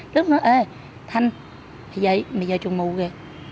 rất là nói ê thanh thì vậy bây giờ trường mù kìa